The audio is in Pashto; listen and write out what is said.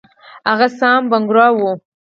هغه سام بنګورا وو.